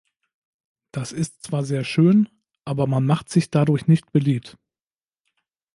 Das ist zwar sehr schön, aber man macht sich dadurch nicht beliebt.